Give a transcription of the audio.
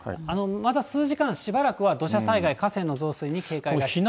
まだ数時間、しばらくは土砂災害、河川の増水に警戒が必要です。